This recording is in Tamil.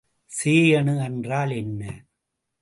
சேயணு என்றால் என்ன?